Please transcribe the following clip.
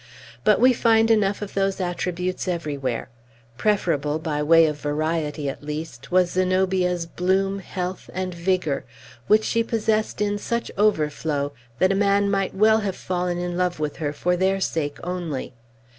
But we find enough of those attributes everywhere. Preferable by way of variety, at least was Zenobia's bloom, health, and vigor, which she possessed in such overflow that a man might well have fallen in love with her for their sake only.